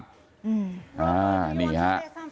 อ่านี่ฮะ